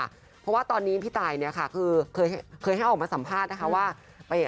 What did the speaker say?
เพราะว่าตอนนี้พี่ตายเนี่ยค่ะคือเคยให้ออกมาสัมภาษณ์นะคะว่า